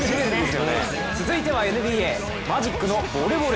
続いてはＮＢＡ、マジックのボル・ボル。